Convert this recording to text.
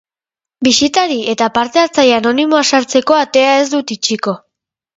Bisitari eta parte hartzaile anonimoak sartzeko atea ez dut itxiko.